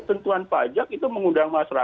tentuan pajak itu mengundang masyarakat